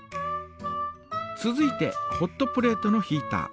続いてホットプレートのヒータ。